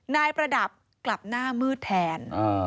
ประดับกลับหน้ามืดแทน